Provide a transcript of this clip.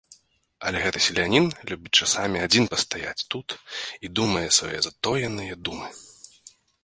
Але гэты селянін любіць часамі адзін пастаяць тут і думае свае затоеныя думы.